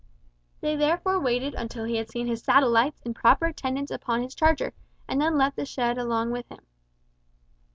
They therefore waited until he had seen his satellites in proper attendance upon his charger, and then left the shed along with him.